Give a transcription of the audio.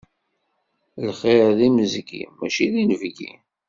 Lxiṛ d imezgi, mačči d inebgi.